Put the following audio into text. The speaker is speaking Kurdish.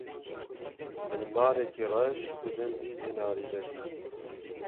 Min marekî reş di bin vî zinarî de dît.